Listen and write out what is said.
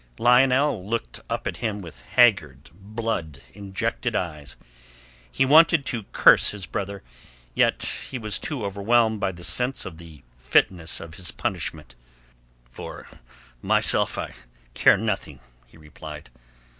Lionel looked up at him with haggard, blood injected eyes. He wanted to curse his brother, yet was he too overwhelmed by the sense of the fitness of this punishment. "For myself I care nothing," he replied.